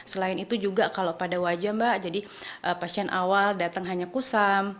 selain itu juga kalau pada wajah mbak jadi pasien awal datang hanya kusam